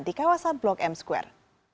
di kawasan blok m square